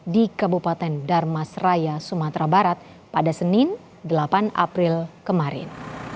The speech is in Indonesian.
di kabupaten darmas raya sumatera barat pada senin delapan april kemarin